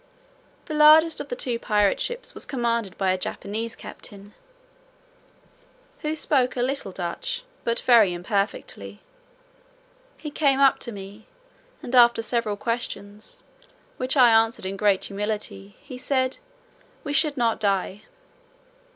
The largest of the two pirate ships was commanded by a Japanese captain, who spoke a little Dutch, but very imperfectly. He came up to me, and after several questions, which I answered in great humility, he said, "we should not die."